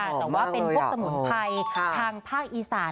แต่ว่าเป็นพวกสมุนไพรทางภาคอีสาน